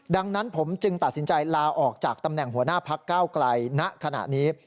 ดังนั้นผมจึงตัดสินใจลาออกจากตำแหน่งหัวหน้าพักเก้าไกลณขณะนี้